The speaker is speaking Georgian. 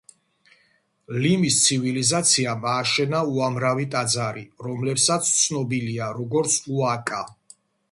ლიმის ცივილიზაციამ ააშენა უამრავი ტაძარი, რომლებსაც ცნობილია, როგორც უაკა.